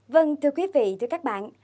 vâng thưa quý vị thưa các bạn